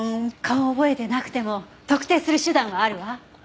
顔を覚えてなくても特定する手段はあるわ。